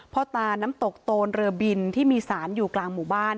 พ่อตาน้ำตกโตนเรือบินที่มีสารอยู่กลางหมู่บ้าน